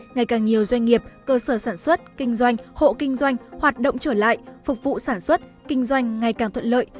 ngày càng nhiều doanh nghiệp cơ sở sản xuất kinh doanh hộ kinh doanh hoạt động trở lại phục vụ sản xuất kinh doanh ngày càng thuận lợi